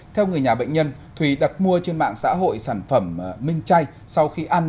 theo người nhà bệnh nhân thùy đặt mua trên mạng xã hội sản phẩm minh chay sau khi ăn